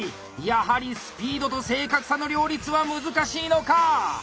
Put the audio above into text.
やはりスピードと正確さの両立は難しいのか？